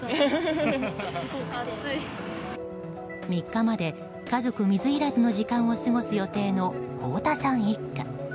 ３日まで家族水入らずの時間を過ごす予定の光田さん一家。